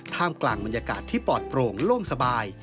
กลางบรรยากาศที่ปลอดโปร่งโล่งสบาย